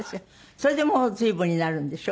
それでもう随分になるんでしょ？